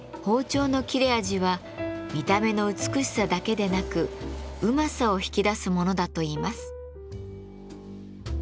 包丁の切れ味は見た目の美しさだけでなく旨さを引き出すものだといいます。